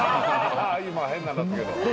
今変なんなったけど。